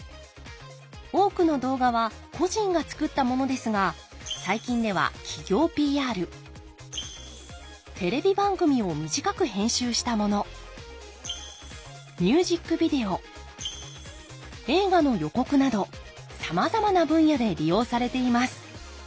多くの動画は個人が作ったものですが最近では企業ＰＲテレビ番組を短く編集したものミュージックビデオ映画の予告などさまざまな分野で利用されています。